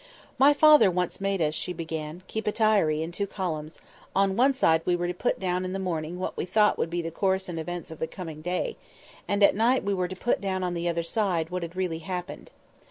"My father once made us," she began, "keep a diary, in two columns; on one side we were to put down in the morning what we thought would be the course and events of the coming day, and at night we were to put down on the other side what really had happened.